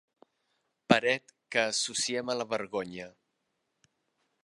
Paret que associem a la vergonya.